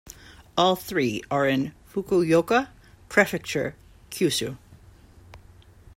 All three are in Fukuoka Prefecture, Kyushu.